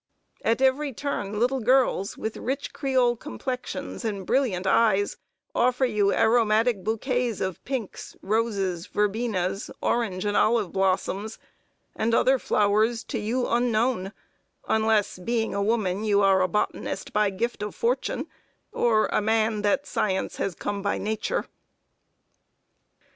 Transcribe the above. At every turn little girls, with rich Creole complexions and brilliant eyes, offer you aromatic bouquets of pinks, roses, verbenas, orange and olive blossoms, and other flowers to you unknown, unless, being a woman, you are a botanist by "gift of fortune," or, a man, that science has "come by nature."